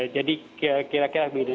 jadi kira kira begitu